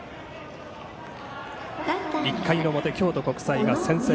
１回の表、京都国際が先制